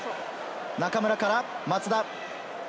中村から松田。